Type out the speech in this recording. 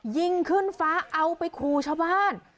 ยิงขึ้นฟ้าเอาไปขู่ชาวบ้าน